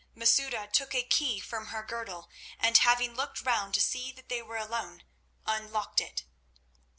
Masouda took a key from her girdle, and, having looked around to see that they were alone, unlocked it.